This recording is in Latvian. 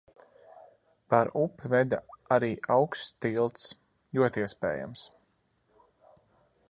Pār upi veda arī augsts tilts. Ļoti iespējams.